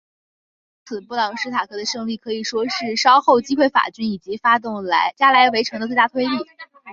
因此布朗什塔克的胜利可以说是稍后击溃法军以及发动加莱围城的最大推力。